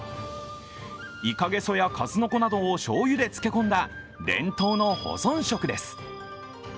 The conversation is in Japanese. イカゲソや数の子などをしょうゆで漬け込んだ伝統の保存食です。